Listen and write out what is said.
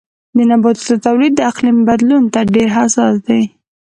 د نباتاتو تولید د اقلیم بدلون ته ډېر حساس دی.